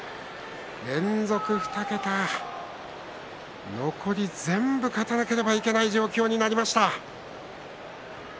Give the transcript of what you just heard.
連続２桁は残り全部勝たなければいけない状況になりました。